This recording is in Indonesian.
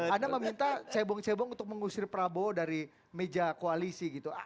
anda meminta cebong cebong untuk mengusir prabowo dari meja koalisi gitu